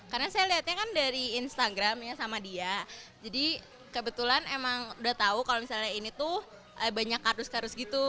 karena saya lihatnya kan dari instagramnya sama dia jadi kebetulan emang udah tahu kalau misalnya ini tuh banyak kardus kardus gitu